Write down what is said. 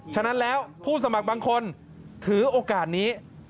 ฉะนั้นแล้วผู้สมัครบางคนถือโอกาสนี้